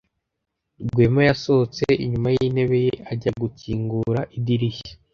Rwema yasohotse inyuma yintebe ye, ajya gukingura idirishya.